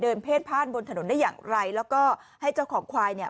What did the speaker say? เพศพ่านบนถนนได้อย่างไรแล้วก็ให้เจ้าของควายเนี่ย